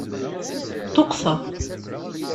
Ṭṭuqteɣ.